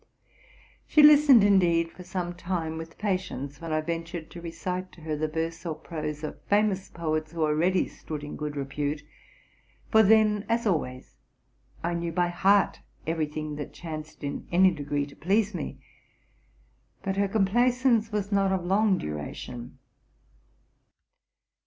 She listened, indeed, for some time with patience, when I ventured to recite to her the verse or prose of famous poets who already stood in good repute, — for then, as always, I knew by heart every thing that chanced in any degree to please me; but her compl: visance was not of long duration.